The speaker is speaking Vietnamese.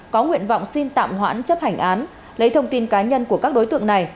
có nguyện vọng xin tạm hoãn chấp hành án lấy thông tin cá nhân của các đối tượng này